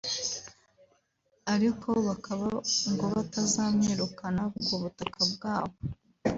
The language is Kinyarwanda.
ariko bakaba ngo batazamwirukana ku butaka bwabo